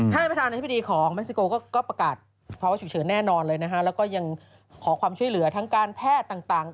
ประธานาธิบดีของเม็กซิโกก็ประกาศภาวะฉุกเฉินแน่นอนเลยนะฮะแล้วก็ยังขอความช่วยเหลือทั้งการแพทย์ต่าง